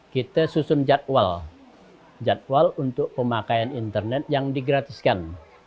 kita susun jadwal untuk pemakaian internet yang digratiskan